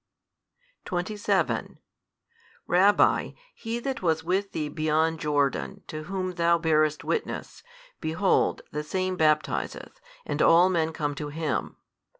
27 Rabbi, He that was with thee beyond Jordan, to Whom thou barest witness, behold, the Same baptizeth, and all men come to Him.